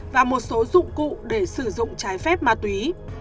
và một số dụng cụ để sử dụng trái phép ma túy